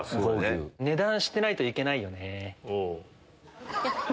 値段知ってないといけないよね。